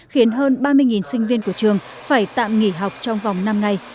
khiến hơn ba mươi sinh viên của trường phải tạm nghỉ học trong vòng năm ngày